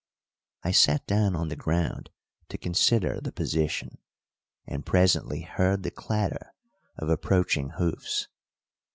I sat down on the ground to consider the position, and presently heard the clatter of approaching hoofs.